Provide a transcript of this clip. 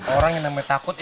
orang yang nama takut